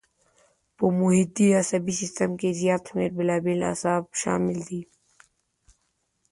په محیطي عصبي سیستم کې زیات شمېر بېلابېل اعصاب شامل دي.